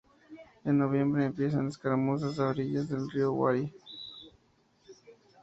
En noviembre empiezan escaramuzas a orillas del río Huari.